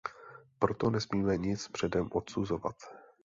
Proto nesmíme nic předem odsuzovat.